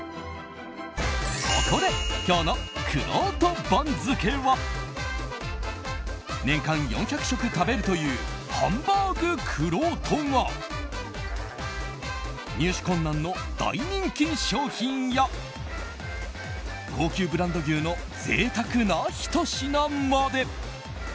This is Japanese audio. そこで、今日のくろうと番付は年間４００食、食べるというハンバーグくろうとが入手困難の大人気商品や高級ブランド牛の贅沢なひと品まで。